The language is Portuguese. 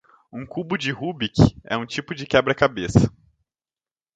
Um cubo de rubik é um tipo de quebra-cabeça.